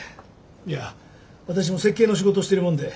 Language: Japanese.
いや私も設計の仕事をしているもんで。